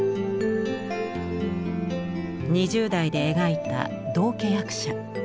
２０代で描いた道化役者。